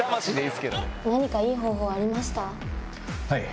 はい。